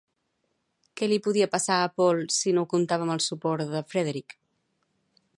Què li podia passar a Paul si no comptava amb el suport de Frederic?